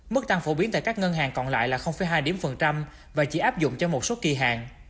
mức tăng phổ biến tại các ngân hàng còn lại là hai và chỉ áp dụng cho một số kỳ hàng